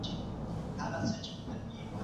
که د پوهې کیفیت وساتل سي، نو علم به پرمختګ وکړي.